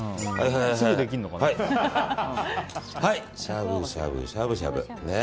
しゃぶしゃぶしゃぶしゃぶ。